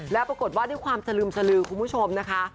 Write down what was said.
แล้วปรากฏว่าด้วยความสลึมสลือคุณผู้ชมนะคะ